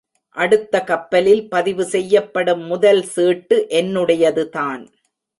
அடுத்த கப்பலில் பதிவு செய்யப்படும் முதல் சீட்டு என்னுடையதுதான்.